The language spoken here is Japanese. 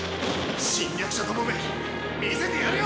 侵略者どもめ見せてやるよ！